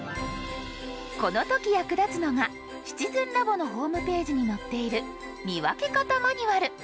この時役立つのが「シチズンラボ」のホームページに載っている「見分け方マニュアル」。